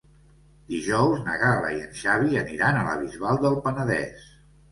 Dijous na Gal·la i en Xavi aniran a la Bisbal del Penedès.